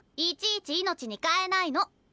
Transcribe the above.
いちいち命に代えないの。